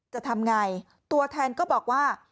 จะทำไงตัวแทนก็บอกว่า